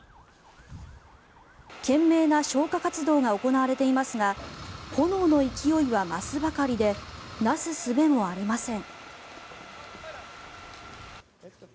懸命な消火活動が行われていますが炎の勢いは増すばかりでなすすべもありません。